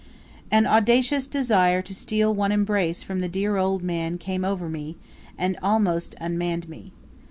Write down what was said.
An audacious desire to steal one embrace from the dear old man came over me, and almost unmanned me.